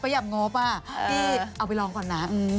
หยับงบพี่เอาไปลองก่อนนะ